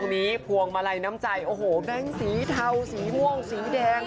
เฮฟห่วงมาลัยน้ำใจแบงก์สีเทาสีม่วงสีแดง